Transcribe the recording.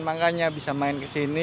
makanya bisa main ke sini